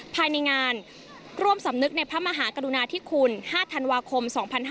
ภายในงานร่วมสำนึกในพระมหากรุณาธิคุณ๕ธันวาคม๒๕๕๙